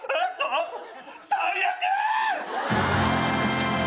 最悪！